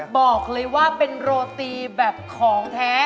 บอกเลยว่าเป็นโรตีแบบของแท้